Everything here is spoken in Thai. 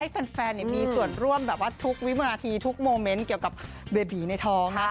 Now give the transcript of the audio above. แฟนมีส่วนร่วมแบบว่าทุกวินาทีทุกโมเมนต์เกี่ยวกับเบบีในท้องนะ